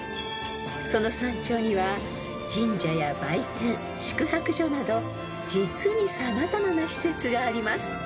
［その山頂には神社や売店宿泊所など実に様々な施設があります］